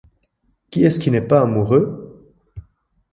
Qui est-ce qui n'est pas amoureux ?